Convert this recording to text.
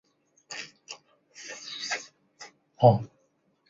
此技术本来是为射电天文学开发。